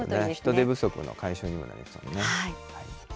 人手不足の解消にもなりますもんね。